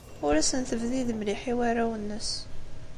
Ur asen-tebdid mliḥ i warraw-nnes.